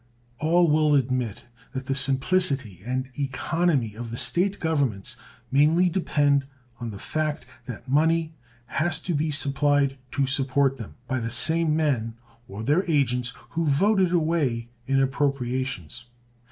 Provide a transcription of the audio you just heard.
All will admit that the simplicity and economy of the State governments mainly depend on the fact that money has to be supplied to support them by the same men, or their agents, who vote it away in appropriations.